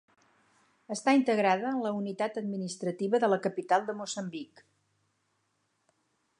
Està integrada en la unitat administrativa de la capital de Moçambic.